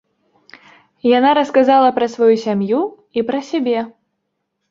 Яна расказала пра сваю сям'ю і пра сябе.